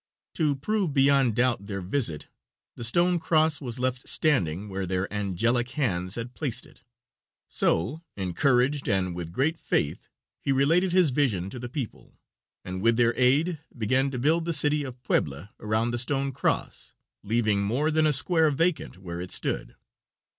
To prove beyond doubt their visit, the stone cross was left standing where their angelic hands had placed it. So encouraged, and with great faith, he related his vision to the people, and with their aid began to build the city of Puebla around the stone cross, leaving more than a square vacant where it stood.